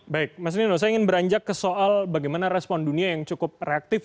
baik mas nino saya ingin beranjak ke soal bagaimana respon dunia yang cukup reaktif